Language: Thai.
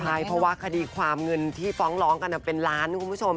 ใช่เพราะว่าคดีความเงินที่ฟ้องร้องกันเป็นล้านคุณผู้ชม